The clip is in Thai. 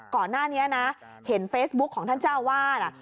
ก่อนหน้านี้นะเห็นเฟซบุ๊คของท่านเจ้าวาด